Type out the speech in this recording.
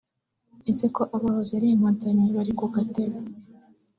Ese ko abahoze ari inkotanyi bari ku gatebe